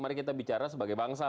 mari kita bicara sebagai bangsa